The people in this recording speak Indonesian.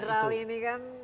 kopi general ini kan